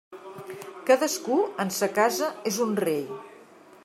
Cadascú en sa casa és un rei.